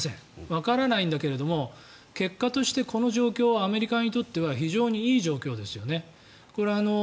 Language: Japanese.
わからないんだけど結果としてこの状況はアメリカにとって非常にいい状況ですよね。